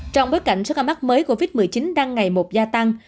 trong bối cảnh sức ám ác mới covid một mươi chín đang ngày một gia tăng